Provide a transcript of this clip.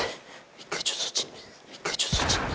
一回ちょっとそっち。